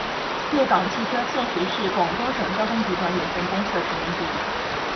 粤港汽车现时是广东省交通集团有限公司的成员之一。